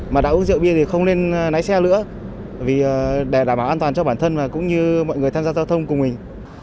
mà đã uống rượu bia thì không nên lái xe nữa vì để đảm bảo an toàn cho bản thân và cũng như mọi người tham gia giao thông cùng mình